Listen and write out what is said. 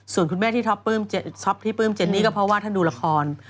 ส่วนคุณแม่ที่ท็อปที่ปลื้มเจนนี่ก็เพราะว่าท่านดูละคร